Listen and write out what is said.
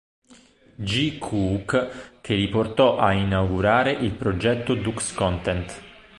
G. Cook che li portò a inaugurare il progetto Dux Content.